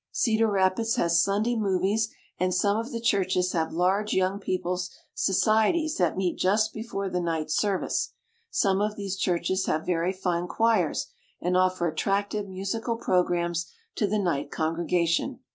Cedar Rapids has Sunday movies and some of the churches have large young people's so cieties that meet Just before the night service. Some of these churches have very fine choirs and offer attractive musical programs to the night congregation.